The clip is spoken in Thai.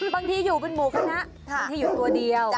บางทีอยู่เป็นหมู่คณะบางทีอยู่ตัวเดียว